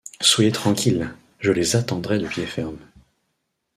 Soyez tranquille, je les attendrai de pied ferme.